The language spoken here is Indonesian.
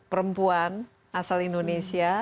tapi putri perempuan asal indonesia